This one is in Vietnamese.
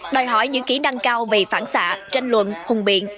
đòi hỏi những kỹ năng cao về phản xạ tranh luận hùng biện